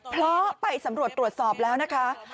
เพราะไปสำรวจตรวจสอบแล้วนะคะ